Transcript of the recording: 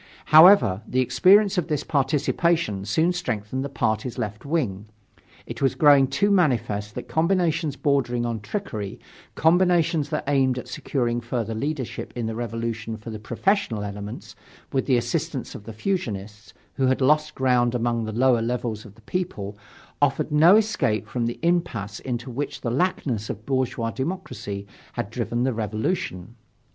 However, the experience of this participation soon strengthened the party's left wing. It was growing too manifest that combinations bordering on trickery, combinations that aimed at securing further leadership in the Revolution for the professional elements, with the assistance of the fusionists, who had lost ground among the lower levels of the people, offered no escape from the impasse into which the laxness of bourgeois democracy had driven the revolution.